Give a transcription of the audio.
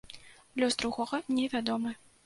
Лёс другога не вядомы.